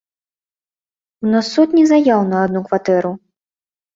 У нас сотні заяў на адну кватэру.